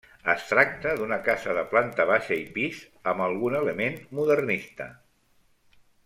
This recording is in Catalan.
Es tracta d'una casa de planta baixa i pis, amb algun element modernista.